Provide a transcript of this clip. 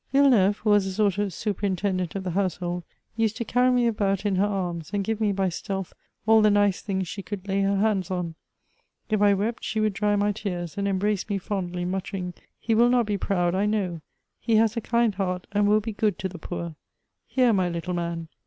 Yilleneuve, who was a sort of super intendent of the household used to carry me about in her arms, and give me, by stealth, all the nice things she could lay her hands on. If I wept, she would dry my tears and embrace me fondly, muttering, "He vdll not be proud, I know. He has a kind heart, and will be good to the poor. Here, my little man."